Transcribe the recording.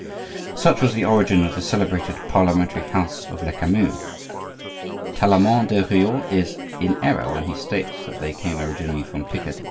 Such was the origin of the celebrated parliamentary house of Lecamus. Tallemant des Reaux is in error when he states that they came originally from Picardy.